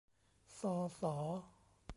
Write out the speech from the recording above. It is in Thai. ซอ สอ